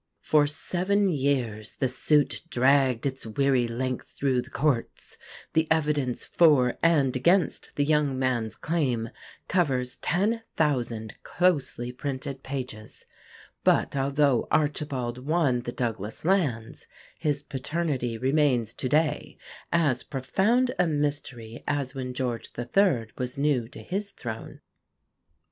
For seven years the suit dragged its weary length through the Courts; the evidence for and against the young man's claim covers ten thousand closely printed pages; but although Archibald won the Douglas lands, his paternity remains to day as profound a mystery as when George III. was new to his throne.